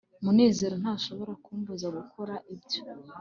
munezero ntashobora kumbuza gukora ibyo